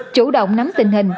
chủ động nắm tình hình